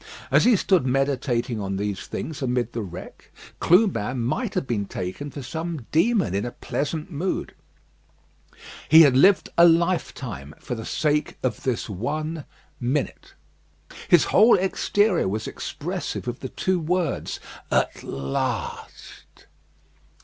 As he stood meditating on these things amid the wreck, Clubin might have been taken for some demon in a pleasant mood. He had lived a lifetime for the sake of this one minute. His whole exterior was expressive of the two words, "At last."